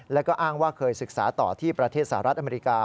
แล้วก็อ้างว่าเคยศึกษาต่อที่ประเทศสหรัฐอเมริกา